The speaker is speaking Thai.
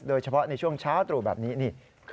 โดยเฉพาะในช่วงเช้าตรู่แบบนี้นี่